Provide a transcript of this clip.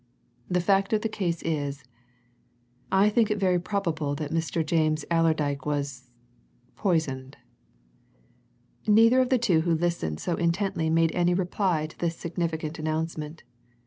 The fact of the case is, I think it very possible that Mr. James Allerdyke was poisoned." Neither of the two who listened so intently made any reply to this significant announcement.